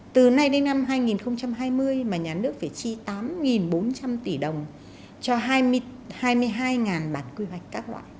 từ nay đến năm hai nghìn hai mươi mà nhà nước phải chi tám bốn trăm linh tỷ đồng cho hai mươi hai bản quy hoạch các loại